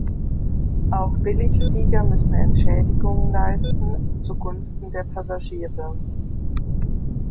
Auch Billigflieger müssen Entschädigungen leisten zu Gunsten der Passagiere.